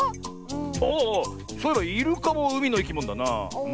ああっそういえばイルカもうみのいきものだな。